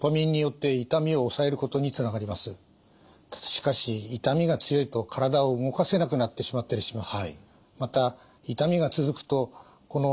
しかし痛みが強いと体を動かせなくなってしまったりします。